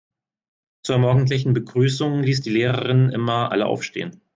Zur morgendlichen Begrüßung ließ die Lehrerin immer alle aufstehen.